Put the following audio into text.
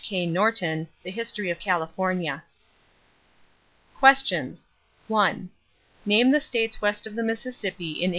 K. Norton, The Story of California. =Questions= 1. Name the states west of the Mississippi in 1865.